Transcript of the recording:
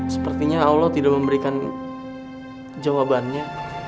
sepertinya allah tidak memberikan jawabannya